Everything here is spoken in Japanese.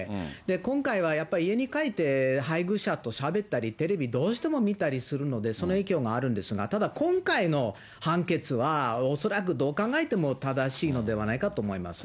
今回はやっぱり、家に帰って、配偶者としゃべったり、テレビどうしても見たりするので、その影響もあるんですが、ただ、今回の判決は恐らくどう考えても正しいのではないかと思います。